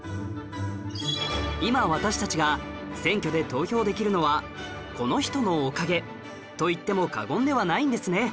今私たちが選挙で投票できるのはこの人のおかげと言っても過言ではないんですね